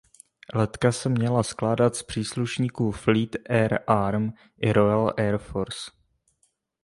Letka se měla skládat z příslušníků Fleet Air Arm i Royal Air Force.